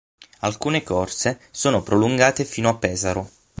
Alcune corse sono prolungate fino a Pesaro.